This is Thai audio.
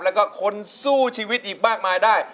แล้วก็คนสู้ชีวิตอีกมากมายได้